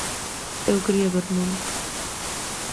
Eu quería ver mundo.